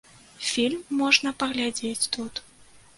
Фільм можна паглядзець тут.